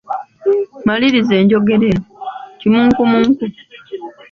Maliriza enjogera eno: Kimunkumunku, ……